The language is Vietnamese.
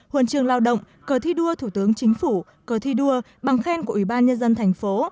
huần trường lao động cờ thi đua thủ tướng chính phủ cờ thi đua bằng khen của ủy ban nhân dân thành phố